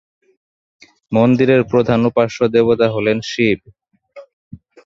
মন্দিরের প্রধান উপাস্য দেবতা হলেন শিব।